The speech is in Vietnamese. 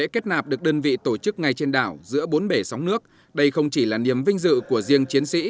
các tổ chức ngay trên đảo giữa bốn bể sóng nước đây không chỉ là niềm vinh dự của riêng chiến sĩ